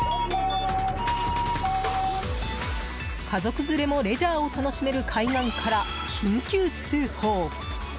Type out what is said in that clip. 家族連れもレジャーを楽しめる海岸から緊急通報。